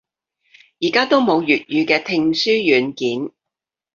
而家都冇粵語嘅聽書軟件